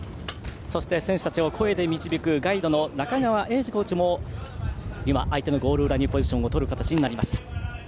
そして選手たちを声で導くガイドの中川英治コーチも相手のゴール裏にポジションを取りました。